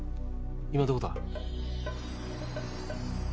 今どこだ？